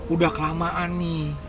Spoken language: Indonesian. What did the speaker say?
udah kelamaan nih